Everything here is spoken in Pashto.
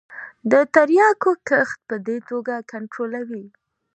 د تریاکو کښت په دې توګه کنترولوي.